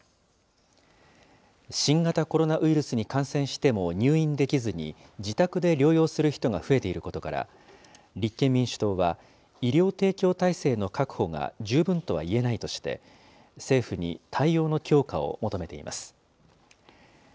新型コロナウイルスに感染しても入院できずに自宅で療養する人が増えていることから、立憲民主党は、医療提供体制の確保が十分とは言えないとして、政府に対応の強化を求めています。